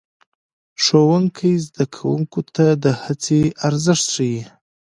ښوونکی زده کوونکو ته د هڅې ارزښت ښيي